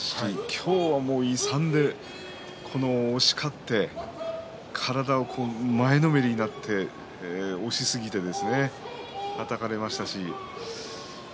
今日は勇んで、押し勝って体を前のめりになって押しすぎてはたかれてしまいました。